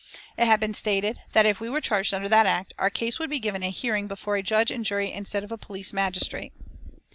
It had been stated that if we were charged under that act our case would be given a hearing before a judge and jury instead of a police magistrate.